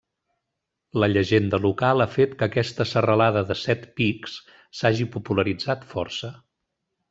La llegenda local ha fet que aquesta serralada de set pics s'hagi popularitzat força.